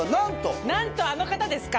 なんとあの方ですか？